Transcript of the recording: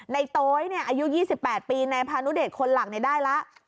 ในโต๊ยเนี่ยอายุ๒๘ปีในพาณุเดชคนนี้ได้แล้ว